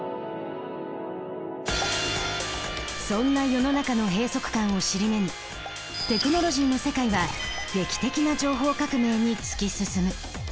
そんな世の中の閉塞感を尻目にテクノロジーの世界は劇的な情報革命に突き進む。